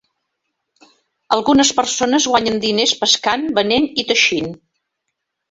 Algunes persones guanyen diners pescant, venent i teixint.